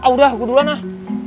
udah aku duluan ah